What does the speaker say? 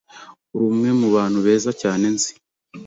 Uri umwe mubantu beza cyane nzi.